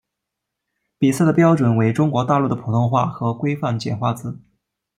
比赛的标准为中国大陆的普通话和规范简化字。